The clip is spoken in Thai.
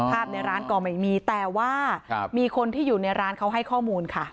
ในร้านก็ไม่มีแต่ว่ามีคนที่อยู่ในร้านเขาให้ข้อมูลค่ะ